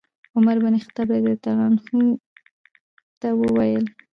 عمر بن الخطاب رضي الله عنه کلاب رضي الله عنه ته وویل: